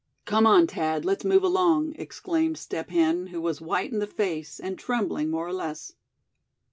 "Come on, Thad, let's move along!" exclaimed Step Hen, who was white in the face, and trembling more or less.